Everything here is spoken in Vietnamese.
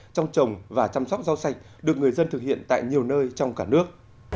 trong trồng và chăm sóc rau sạch được người dân thực hiện tại nhiều nơi trong cả nước